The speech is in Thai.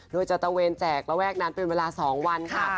โดยจะตะเวนแจกระแวกนั้นเป็นเวลา๒วันค่ะ